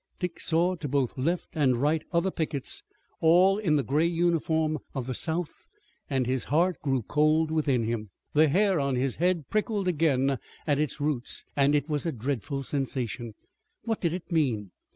Dick saw to both left and right other pickets, all in the gray uniform of the South, and his heart grew cold within him. The hair on his head prickled again at its roots, and it was a dreadful sensation. What did it mean?